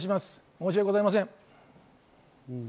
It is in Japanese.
申し訳ございません。